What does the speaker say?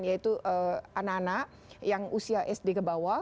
yaitu anak anak yang usia sd ke bawah